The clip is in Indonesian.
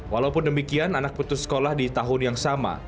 walaupun demikian anak putus sekolah di tahun yang sama